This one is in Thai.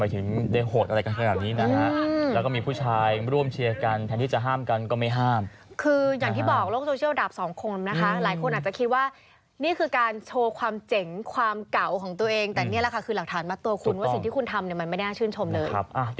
ร่วมเชียร์กันแทนที่จะห้ามกันก็ไม่ห้ามคืออย่างที่บอกโลกโซเชียลดาบสองคมนะคะหลายคนอาจจะคิดว่านี่คือการโชว์ความเจ๋งความเก่าของตัวเองแต่นี่แหละค่ะคือหลักฐานมัดตัวคุณว่าสิ่งที่คุณทำเนี่ยมันไม่น่าชื่นชมเลย